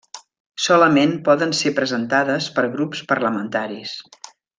Solament poden ser presentades per grups parlamentaris.